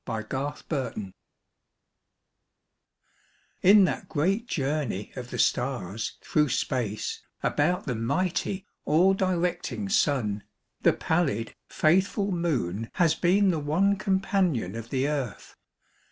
A SOLAR ECLIPSE In that great journey of the stars through space About the mighty, all directing Sun, The pallid, faithful Moon has been the one Companion of the Earth.